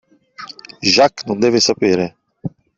Jacques non deve sapere!